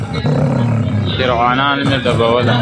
فرعونان مي ډوبوله !.